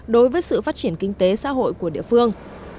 đối với sự phát triển kinh tế xã hội của địa phương